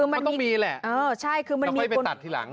มันต้องมีแหละ